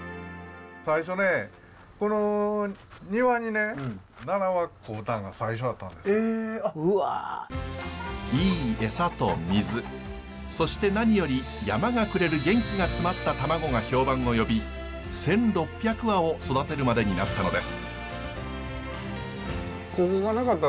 最初ねいいエサと水そして何より山がくれる元気が詰まった卵が評判を呼び１，６００羽を育てるまでになったのです。